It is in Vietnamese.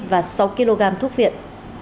và sáu kg thuốc viện